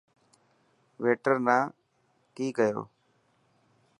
ويٽر نا ڪي ڪيو.